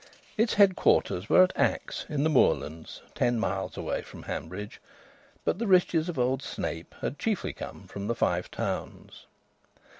Its headquarters were at Axe, in the Moorlands, ten miles away from Hanbridge, but the riches of old Snape had chiefly come from the Five Towns.